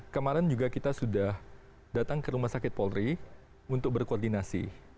kemarin juga kita sudah datang ke rumah sakit polri untuk berkoordinasi